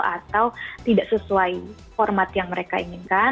atau tidak sesuai format yang mereka inginkan